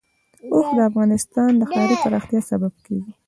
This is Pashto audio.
اوښ د افغانستان د ښاري پراختیا سبب کېږي.